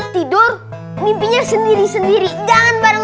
gila ini udah malem